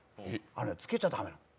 つけちゃ駄目なの。